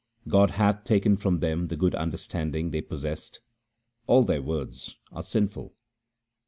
God hath taken from them the good understanding they possessed ; all their words are sinful.